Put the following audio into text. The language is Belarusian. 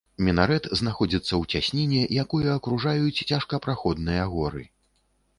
Мінарэт знаходзіцца ў цясніне, якую акружаюць цяжкапраходныя горы.